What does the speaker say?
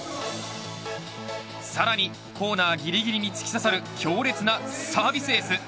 さらにコーナーぎりぎりに突き刺さる強烈なサービスエース。